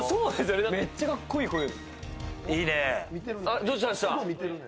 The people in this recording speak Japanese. めっちゃかっこいい、これ。